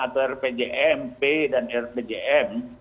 atau rpjm p dan rpjm